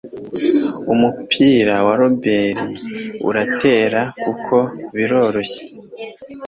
Umupira wa reberi uratera kuko biroroshye